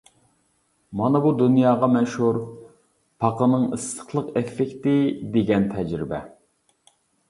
مانا بۇ دۇنياغا مەشھۇر «پاقىنىڭ ئىسسىقلىق ئېففېكتى» دېگەن تەجرىبە.